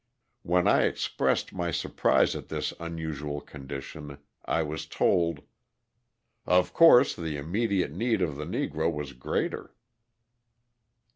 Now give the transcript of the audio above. When I expressed my surprise at this unusual condition I was told: "Of course, the immediate need of the Negro was greater."